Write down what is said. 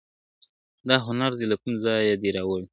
دا هنر دي له کوم ځایه دی راوړی `